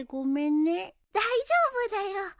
大丈夫だよ。